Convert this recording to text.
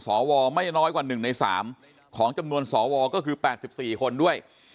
สวไม่น้อยกว่า๑ใน๓ของจำนวนสวก็คือ๘๔คนด้วย